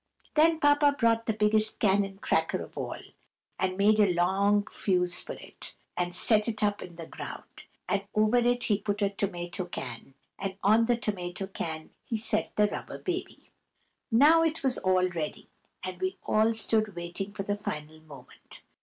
Then Papa brought the biggest cannon cracker of all, and made a long fuse for it, and set it up in the ground; and over it he put a tomato can, and on the tomato can he set the Rubber Baby. Now all was ready, and we all stood waiting for the final moment.